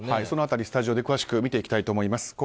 その辺り、スタジオで詳しく見ていきたいと思います。